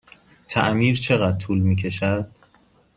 تعمیر چقدر طول می کشد؟